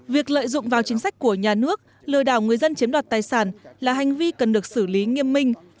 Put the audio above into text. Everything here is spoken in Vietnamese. việc lợi dụng vào chính sách của nhà nước lừa đảo người dân chiếm đoạt tài sản là hành vi cần được xử lý nghiêm minh